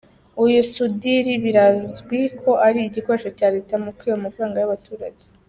Uyu Sudiri birazwi ko ari igikoresho cya Leta mu kwiba amafaranga y’ abaturage.